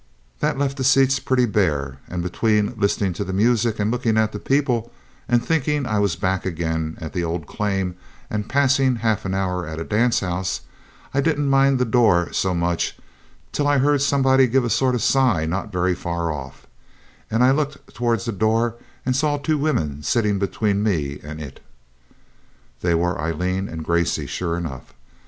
That left the seats pretty bare, and between listening to the music and looking at the people, and thinking I was back again at the old claim and passing half an hour at a dance house, I didn't mind the door so much till I heard somebody give a sort of sigh not very far off, and I looked towards the door and saw two women sitting between me and it. They were Aileen and Gracey sure enough.